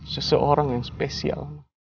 seseorang yang spesial